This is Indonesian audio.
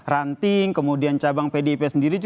ranting kemudian cabang pdip sendiri